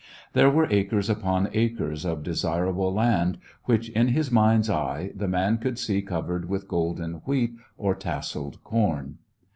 There were acres upon acres of de sirable land which, in his mind's eye, the man could see covered with golden wheat or tasseled corn.